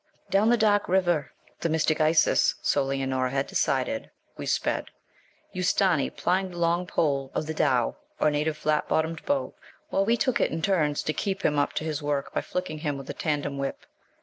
Down the Dark River, the mystic Isis, so Leonora had decided, we sped: Ustâni plying the long pole of the dhow, or native flat bottomed boat, while we took it in turns to keep him up to his work by flicking him with a tandem whip.